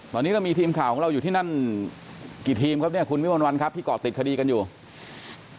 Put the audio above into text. ตอนนี้เรามีทีมข่าวของเราอยู่ที่นั่นกี่ทีมครับเนี่ยคุณวิมวลวันครับที่เกาะติดคดีกันอยู่